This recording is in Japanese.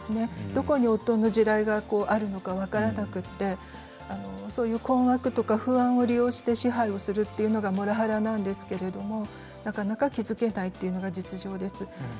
どこに夫の地雷があるのか分からなくて困惑とか不安を利用して支配をするというのがモラハラなんですけれどもなかなか気付けないというのが実情です。